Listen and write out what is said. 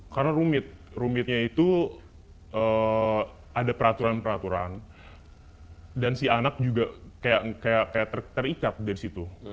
karena rumit rumitnya itu ada peraturan peraturan dan si anak juga kayak terikat dari situ